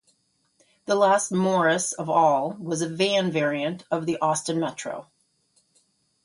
The last "Morris" of all was a van variant of the Austin Metro.